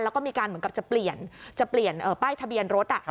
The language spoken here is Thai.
แล้วก็มีการเหมือนกับจะเปลี่ยนป้ายทะเบียนรถอ่ะ